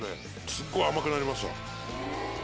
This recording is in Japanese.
すっごい甘くなりました。